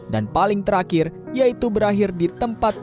dan paling terakhir yaitu berakhir di tempat pembeli